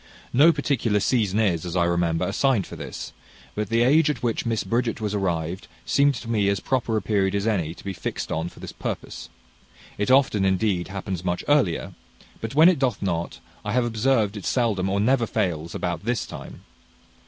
No particular season is, as I remember, assigned for this; but the age at which Miss Bridget was arrived, seems to me as proper a period as any to be fixed on for this purpose: it often, indeed, happens much earlier; but when it doth not, I have observed it seldom or never fails about this time.